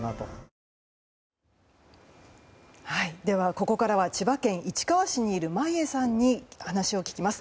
ここからは千葉県市川市にいる眞家さんに話を聞きます。